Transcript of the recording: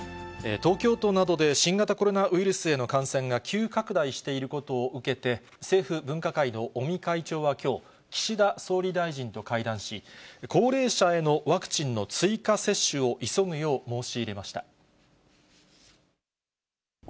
東京都などで、新型コロナウイルスへの感染が急拡大していることを受けて、政府分科会の尾身会長はきょう、岸田総理大臣と会談し、高齢者へのワクチンの追加接種を急ぐよう申し入れました。